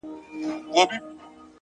زه به د خال او خط خبري كوم _